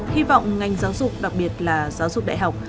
hy vọng ngành giáo dục đặc biệt là giáo dục đại học